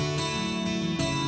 oh boleh dong